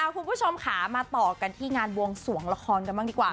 คุณผู้ชมค่ะมาต่อกันที่งานบวงสวงละครกันบ้างดีกว่า